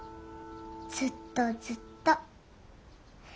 ずっとずっと。